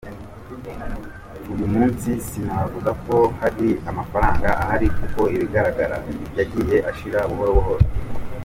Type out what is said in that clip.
Uyu munsi sinavuga ko hari amafaranga ahari kuko ibigaragara yagiye ashira buhoro buhoro.